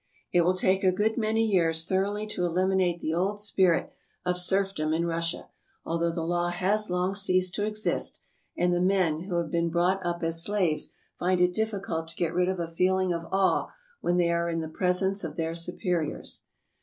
It will take a good many years thoroughly to eliminate the old spirit of serfdom in Russia, although the law has long ceased to exist, and the men who have been brought up as slaves find it difficult to get rid of a feeling of awe when they are in the presence of their superiors.